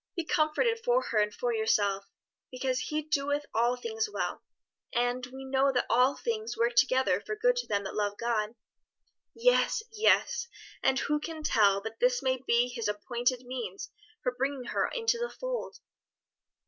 Be comforted for her and for yourself; because 'He doeth all things well,' and 'We know that all things work together for good to them that love God.'" "Yes, yes; and who can tell but this may be His appointed means for bringing her into the fold!"